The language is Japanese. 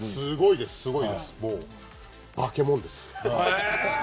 すごいです、化け物です。